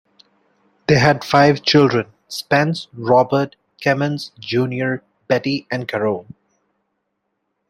They had five children: Spence, Robert, Kemmons Junior, Betty, and Carole.